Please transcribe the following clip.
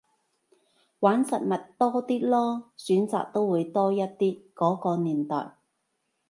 玩實物多啲囉，選擇都會多一啲，嗰個年代